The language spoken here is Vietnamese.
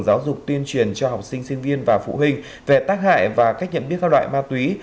giáo dục tuyên truyền cho học sinh sinh viên và phụ huynh về tác hại và cách nhận biết các loại ma túy